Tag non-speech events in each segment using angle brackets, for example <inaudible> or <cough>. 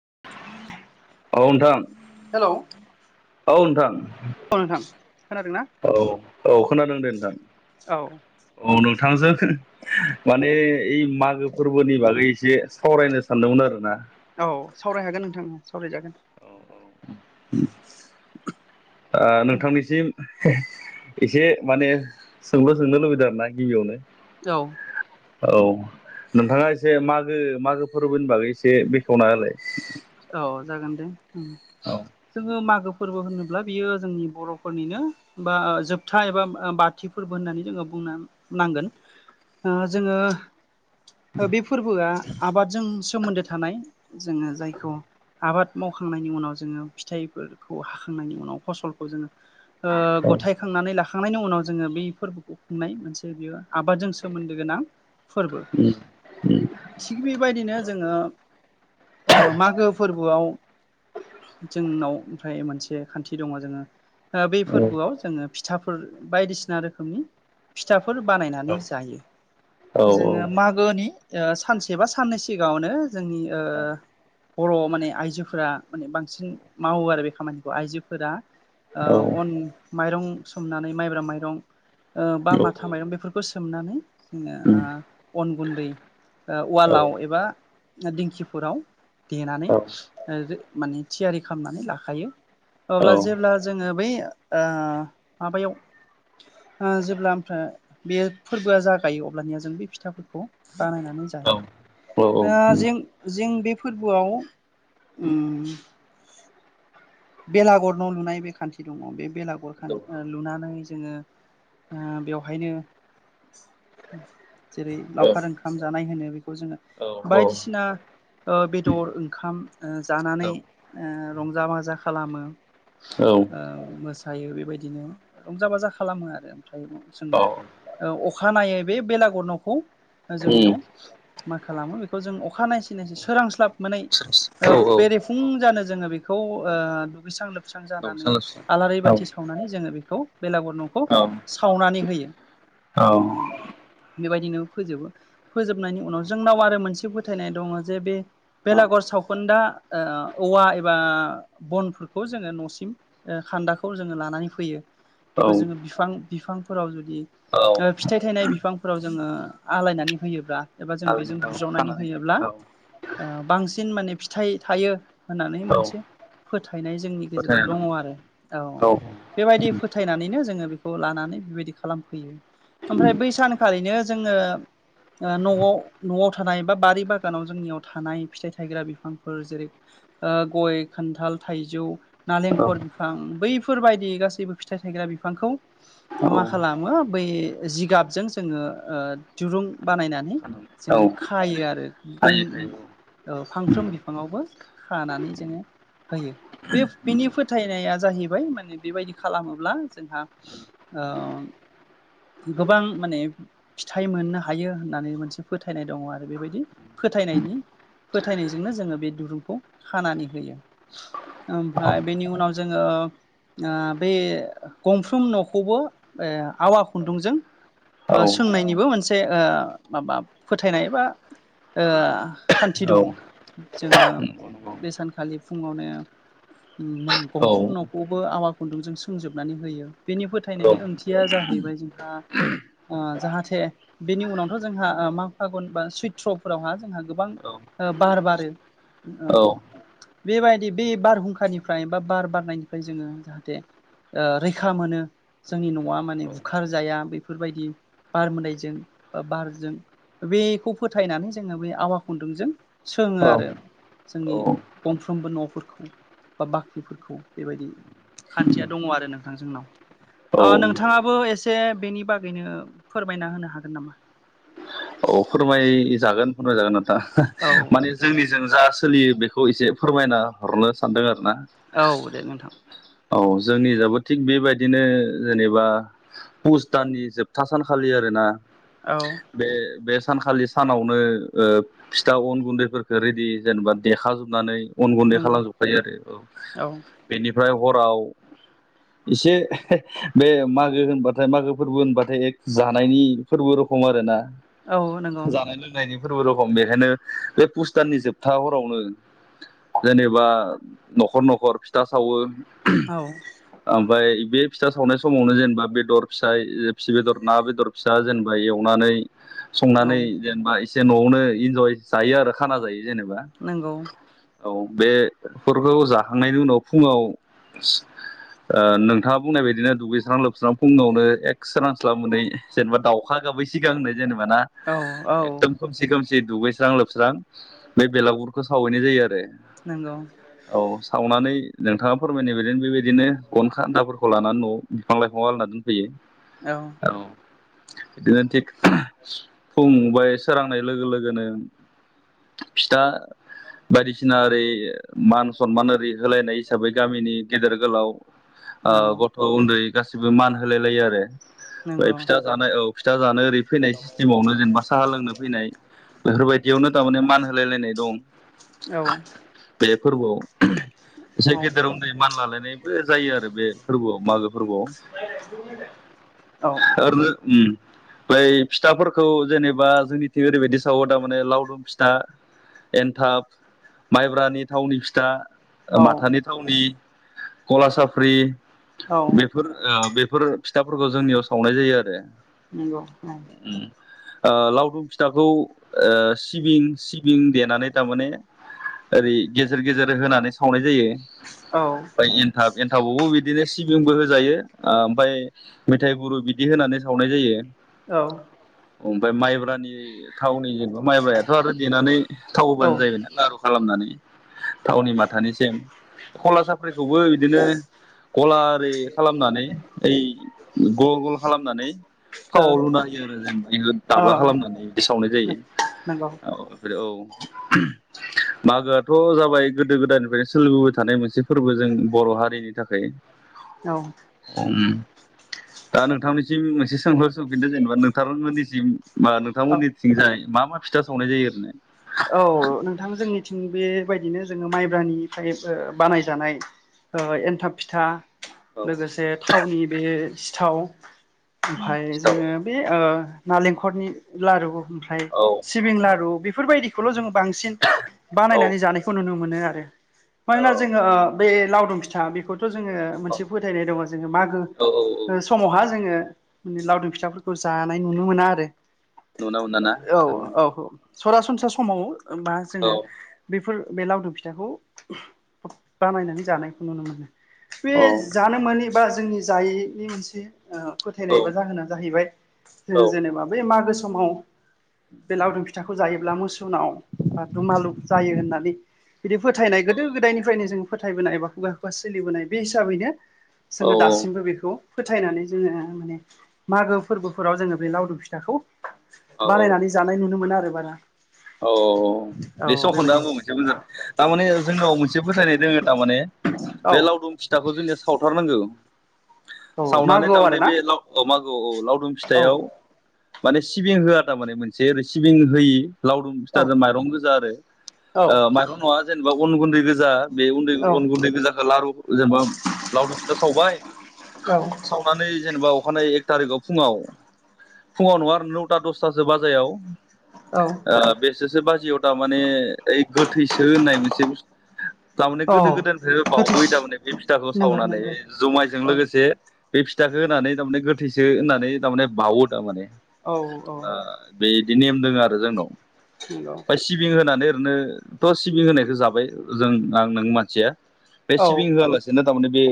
<inaudible> औ नोंथां हेलौ औ नोंथां। औ नोंथां खोनादोंना औ औ खोनादों दे नोंथां औ औ नों। थांजों <unintelligible> माने ओइ मागो फोरबोनि बागै एसे सावरायनो सानदोंमोन आरोना। औ सावराय हागोन नोंथां सावराय जागोन। ओ नोंथांनिसिम। एसे माने सोंलु सोंनो लुबैदों आरो ना गिबियावनो। औ। औ नोंथाङा एसे मागो मागो फोरबोनि बागै एसे बेखेवना होलाय। औ जागोन दे ओं औ जोङो मागो। फोरबो होनोब्ला बियो जोंनि बर'फोरनिनो बा जोबथा एबा बाथि फोरबो होननानै जोङो बु नो नांगोन आ जोङो दा बे फोरबोआ आबादजों सोमोन्दो थानाय जोङो जाय। खौ आबाद मावखांनायनि उनाव जोङो फिथाइफोरखौ हाखांनायनि उनाव फसलखौ जोङो। ओ औ उम गथायखांनानै ला खांनायनि उनाव जोङो बै फोरबोखौ खुंनाय मोनसे बियो आबादजों सोमोन्दो गोनां। फोरबो उम थिग बेबायदिनो जोङो ओ माग गुआव जोंनाव ओमफ्राय मोनसे खान्थि दङ जोङो। ओ बे औ फोरबोआव जोङो फिथाफोर बायदिसिना रोखोमनि फिथा फोर बानायनानै जायो औ औ जोङो मागोनि। ओ सानसे बा साननै सिगाङावनो जोंनि ओ बर' माने आइजोफोरा माने बांसिन मावो आरो बे खामानिखौ आइजोफोरा ओ अन माइरं सोमनानै माइब्रा माइरं। ओ बा औ औ माथा माइरं बेफोरखौ सोमनानै नो उम औ उम ओ अन गुन्दै ओ औ उवालाव एबा दिंखिफोराव। देनानै औ ओ जो माने थियारि खालामनानै लाखायो। औ अब्ला जेब्ला जोङो बै ओ माबायाव। ओ जेब्ला ओमफ्राय बे फोरबोआ जागायो अब्लानिया जों बै फिथाफोरखौ बानायनानै जा जायो ओ जें जें बे फोरबोआव उम बेलागर न' लुनाय बे खान्थि दङ बे बेलागुर खा लुनानै जोङो ओ बेवहायनो जेरै लावखार ओंखाम जानाय होनो बेखौ जोङो। औ औ बायदिसिना ओ औ बेदर ओंखाम जानानै उम ओ रंजा बाजा खालामो औ ओ मोस थायो बेबायदिनो रंजा बाजा खालामो आरो ओमफ्राय औ जोङो ओ अखानायै बे बेलागुर न'खौ जोंनियाव मा खालामो बेखौ जों अखानायसि नायसि सोरांस्लाब मोनै ओ बेरेफुं जानो जोङो बेखौ औ ओ दुगैस्रां लोबस्रां जानानै सानलासि आलारि औ बाथि सावनानै जोङो बेखौ बेलागुर नोंखौ सावनानै होयो। औ बेबायदिनो फोजोबो फोजोबनायनि उनाव जोंनाव आरो मोनसे फोथायनाय दङ जे बे औ बेलागुर सा सावखोन्दा ओ औवा एबा बनफोरखौ जोङो न'सिम खान्दाखौ जोङो लानानै फैयो। औ बेखौ जोङो बिफां बिफांफोराव जुदि औ फिथाइ थायनाय बिफांफोराव जोङो आलायनानै होयोब्ला एबा जों बेजों थारैनो औ बुज्रावनानै खानानै होयोब्ला औ बांसिन माने फिथाइ थायो होननानै औ मोनसे फोथायनाय जोंनि गेजेराव फोथायनाय दं दङ आरो औ बेबायदि फोथायनानैनो जोङो बेखौ लानानै बेबायदि खालामफैयो। ओमफ्राय बै सानखालिनो जोङो न'आव न'आव थानाय बा बारि बागानाव जोंनियाव थानाय फिथाइ थायग्रा बिफांफोर जेरै ओ गय खान्थाल थाइजौ औ नालेंखर बिफां बैफोरबायदि गासैबो फिथाइ थायग्रा बिफांखौ औ मा खालामो बै जिगाबजों जोङो दिरुं बानायनानै खानानै औ जोङो खायो आरो गं खायो खायो औ फांफ्रोम बिफाङावबो खानानै जोङो होयो बे बिनि फोथायनाया जाहैबाय माने बेबायदि खालामोब्ला जोंहा औ <unintelligible> गोबां माने फिथाइ मोननो हायो होननानै मोनसे फोथायनाय दङ आरो बेबायदि फोथायनायनि फोथायनायजोंनो जोङो बे दुरुंखौ खानानै होयो। औ ओमफ्राय बेनि उनाव जोङो आ बे गंफ्रोम न'खौबो आवा खुन्दुंजों औ सोंनायनिबो मोनसे माबा फोथायनाय बा आ खान्थि औ दङ जोङो औ बे सानखालि फुङावनो गंफ्रुम न'खौबो आवा खुन्दुंजों सोंजोबनानै होयो बेनि औ फोथायनायनि ओंथिया जाहोन हैबाय जोंहा ओ जाहाथे बेनि उनावथ' जोंहा मा फागुन बा सैत्रफोरावहा जोंहा गोबां बार बारो बेबायदि बे बारहुंखानिफ्राय बा बार बारनायनिफ्राय जोङो जाहाथे ओ रैखा मोनो जोंनि न'आ माने बुखार जाया बेफोरबायदि बार मोदाइजों बारजों बेखौ फोथायनानै जोङो बे आवा खुन्दुंजों सोङो आरो औ जोंनि गंफ्रोमबो न'फोरखौ बा बाख्रिफोरखौ बेबायदि खान्थिया दङ आरो नोंथां औ जोंनाव ओ नोंथाङाबो ए से बेनि बागैनो फोरमायना होनो हागोन नामा? औ फोरमायजागोन फोरमायजागोन नोंथा औ माने जोंनिजों जा सोलियो बेखौ एसे फोरमायना हरनो सानदों आरो ना औ दे नोंथां औ जोंनि जाबो थिग बेबायदिनो जेनेबा पुस दाननि जोबथा सानखालि आरोना औ बे बे सानखालि सानावनो ओ फिथा अन गुन्दैफोरखौ रेडि जेनेबा देखाजोबनानै अन गुन्दै नंगौ खालामजोबखायो आरो औ बेनिफ्राय हराव एसे बे मागो होनबाथाय मागो फोरबो होनबाथाय एक जानायनि फोरबो र खम आरो ना औ नंगौ जानाय लोंनायनि फोरबो रखम बेखायनो बे पुस्टाननि जोबथा हरावनो जेनेबा न'खर न'खर फिथा सावो। औ ओमफ्राय बे फिथा सावनाय समावनो जेनेबा बेदर फिसा फि बेदर ना बेदर फिसा जेनेबा एव मानै औ संनानै जेनेबा एसे न'आवनो इन्जय जायो आरो खाना जायो जेनेबा नंगौ औ बे फोरखौ जाखांनायनि उनाव फुङाव ओ नोंथाङा बुंनाय बायदिनो दुगैस्रां लोबस्रां फुंनावनो एक्स सोरांस्लाब मोनै जेनेबा दाउखा गाबै सिगांनो जेनबा ना औ औ जि दुगैस्रां लोबस्रां बे बेलागुरखौ सावहैनाय जायो आरो नंगौ औ सावनानै नोंथाङा फोरमायनाय बा ओरनो बेबायदिनो अन खान्दाफोरखौ लानानै न'आव बिफां लाइफांआव आलायना दोनफैयो औ <inaudible> फुं एबा सोरांनाय लोगो लोगोनो फिथा बायदिसिना ओरै मान सनमान ओरै होलायनाय हिसाबै गामिनि गेदेर गोलाव ओ औ गथ' उन्दै गासि बो होलाय लायो आरो ओमफ्राय नंगौ फिथा जानो औ फिथा जानो ओरै फैनाय जोंनो साहा लोंनो फैनाय बेफोरबायदियावनो थारमाने मान होलायनाय दं औ बे फोरबोआव एसे औ गेदेर उन्दै मान लालायनायबो जायो आरो बे फोरबोआव मागो फोरबोआव औ फिथाफोरखौ जेनेबा जोंनिथिं ओरैबायदि सावो थारमाने लावदुम फिथा एन्थाब माइब्रानि थावनि फिथा ओ औ माथानि थावनि कला साफ्रि औ बेफोर ओ बे फोर फिथाफोरखौ जोंनियाव सावनाय जायो आरो नंगौ औ उ ओ लावदुम फिथाखौ सिबिं सिबिं देनानै थारमाने ओरै गेजेर गेजेर होनानै सावनाय जायो औ ओफ्राय एनथाब एनथाबावबो बिदि नो सिबिंबो होजायो ओमफ्राय मेथाइ गुरु बिदि होनानै सावनाय जायो औ ओमफ्राय माइब्रानि थावनि जेनेबा माइब्राया दाथ' आरो देनानै थाव होबानो जाहैबायना लारु खालामनानै थावनि माथानिसिम कला सा फ्रिखौबो बिदिनो गला आरि खालामनानै ओइ गल गल खालामनानै थावाव लुनानै जेनेबा बेखौ दाब्ला औ खालामनानै बिदि सावनाय जायो औ नंगौ औ बेफोर औ <inaudible> मागोआथ' जाबाय गोदो गोदायनिफ्रायनो सोलिबोबाय थानाय मोनसे फोरबो जों बर' हारिनि थाखाय औ ओम दा नोंथांनिसिम मोनसे सोंलु सोंफिनदों जेनेबा नोंथांमोननिसिम मा नोंथांमोननिथिंजाय मा मा फिथा सावनाय जायो ओरैनो औ नोंथां जोंनिथिं बे बायदिनो जोङो माइब्रानिफ्राय बानायजानाय ओ एन्थाब फिथा औ लोगोसे थावनि बे सिथाव औ ओमफ्राय जोङो बे ओ नालेंखरनि लारु ओमफ्राय सिबिं लारु बेफोरबायदिखौल' जोङो बांसिन औ बानायनानै जानायखौ नुनो मोनो। मोनो आरो मानोना जोङो बे लावदुम फिथा बेखौ। थ' जोङो औ मोनसे फोथायनाय दङ जोङो मागो औ समावहा जोङो। माने लावदुम फिथाफोरखौ जानाय नुनो मोना आरो नुनो मोना ना औ औ औ। सरासनस्रा समाव बा जोङो बेफोर बे लावदुम फिथाखौ बानायनानै जानायखौ नुनो मोनो। बे औ जानो मोनैबा जोंनि जायैनि मोनसे ओ औ फोथायनायबा जाहोना जाहैबाय जों जेनेबा बे मागो समाव बे लावदुम फिथाखौ जायोब्ला मोसुनाव बा दुमालु जायो होननानै। बिदि फोथायनाय गोदो गोदायनिफ्रायनो जोंङो फोथायबोनाय एबा खुगा खुगा सोलिबोनाय बे हिसाबैनो जोङो औ दासिमबो बेखौ फोथायनानै जोङो माने मागो फोरबोफोराव जोङो बे लावदुम फिथाखौ। औ बानायनानै जानाय नुनो मोना आरो बारा। औ औ बे सखदा बेबायदि <unintelligible> थारमाने जोंनाव मोनसे फोथायनाय दोङो थारमाने। औ बे लावदुम फिथाखौ जोंनिया सावथारनांगौ। औ सावनानै मागोआव थारमाने आरोना बे लाव अ मा। औ औ लावदुम औ फिथायाव माने सिबिं होआ थारमाने मोनसे ओरै सिबिं होयि लावदुम औ फिथाजों माइरं गोजा औ आरो माइरं नङा जेनेबा अन गुन्दै गोजा। बे उन्दै औ उन गुन्दै गोजाखौ लारु जेनेबा लावदुम फिथा सावबाय। औ सावनानै जेनेबा। अखानाय एक थारिखआव फुङाव फुङाव नङा आरो नौथा दसथासो बाजायाव। औ बेसोरसो बाजियाव थारमाने ओइ गोथैसो होननाय मोनसे थारमाने औ गोदो गोदोनिफ्रायबो गोथैस बावबोयो थारमाने बे फिथाखौ नंगौ सावनानै नंगौ जुमायजों औ लोगोसे बे फिथाखौ होनानै थारमाने गोथैसो होननानै थारमाने बावो थारमाने औ औ ओ बेदि नेम दोङ आरो जोंनाव नंगौ ओमफ्राय सिबिं होनानै। नोथ' सिबिं होनायखौ जाबाय जों आं नों मानसिया बे औ सिबिं होआलासेनो थारमाने बे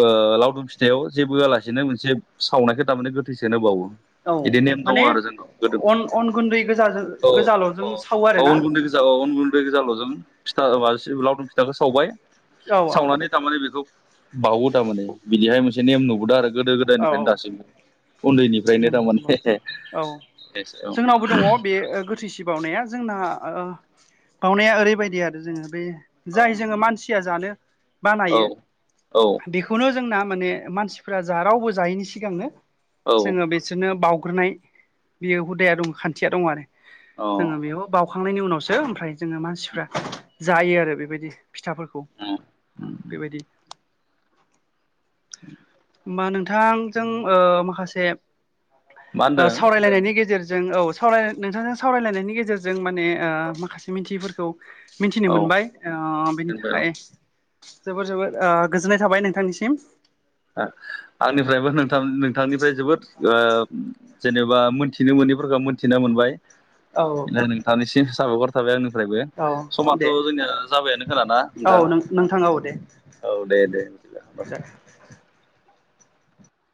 ओ लावदुम फिथायाव जेबो होआलासिनो मोनसे सावनायखौ थारमाने गोथैसोनो बावो। औ बिदि नेम दङ माने आरो जोंनाव गोदो अन अन गुन्दै गोजाजों औ औ गोजाल'जों सावो औ आरोना अन गुन्दै जाबा अन गुन दै गोजाल'जों फिथा माबा लावदुम फिथाखौ सावबाय औ सावनानै औ थारमाने बेखौ बावो थार माने बिदिहाय मोनसे नेम नुबोदों आरो गोदो गोदायनिफ्रायनो औ दासिमबो उन्दैनिफ्रायनो नंगौ थारमाने एसे औ। बो दङ बे ओ गोथैसि बावउनाया जोंना ओ बावउनाया ओरैबायदि आरो जोङो बे औ जाय जोङो मानसिया जानो बानायो औ बेखौनो जोंना माने मानसिफ्रा जा रावबो जायैनि सिगांनो। औ जोङो बिसोरनो बाउग्रोनाय बियो हुदाया दं खान्थिया दं आरो। अ जोङो बेयाव बाउखांनायनि उनावसो ओमफ्राय जोङो मानसिफ्रा जायो आरो बेबायदि फिथाफोरखौ बेबायदि मा नोंथांजों ओ माखासे मा होनदों ओ सावरायलायनायनि गेजेरजों औ। सावराय नोंथांजों सावरायलायनायनि गेजेरजों माने ओ औ माखासे मिथिफोर। मिथिनो औ मोनबाय ओ बेनि दोनबाय औ थाखाय जोबोर जोबोर ओ गोजोननाय थाबाय नोंथांनिसिम। ओ आंनिफ्रायबो नोंथां नोंथांनिफ्राय जोबोद। ओ जेनेबा मोनथिनो मोनैफोरखौ मोनथिनो मोनबाय। औ <unintelligible> नोंथांनिसिम साबायगर थाबाय आं। निफ्रायबो औ समाथ' दे जोंनिया जाबायानो खोना ना औ नोंथां। नोंथां औ दे औ दे दे। दे